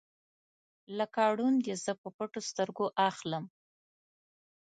لکه ړوند یې زه په پټو سترګو اخلم